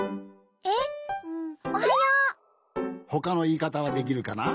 えっうんほかのいいかたはできるかな？